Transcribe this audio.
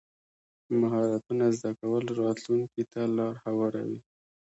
مهارتونه زده کول راتلونکي ته لار هواروي.